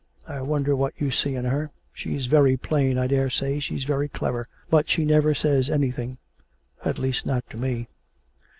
I wonder what you see in her. She's very plain. I daresay she's very clever, but she never says anything at least not to me.'